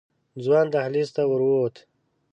ځوان دهلېز ته ورو ووت.